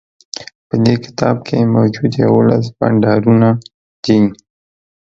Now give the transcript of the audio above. په دې کتاب کی موجود یوولس بانډارونه دي